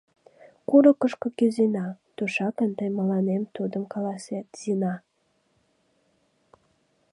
Курыкышко кӱзена, тушакын тый мыланем тудым каласет, Зина?